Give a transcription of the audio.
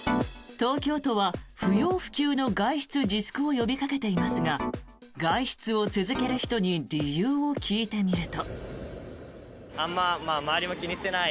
東京都は不要不急の外出自粛を呼びかけていますが外出を続ける人に理由を聞いてみると。